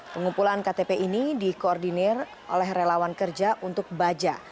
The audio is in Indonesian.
pengumpulan ktp ini dikoordinir oleh relawan kerja untuk baja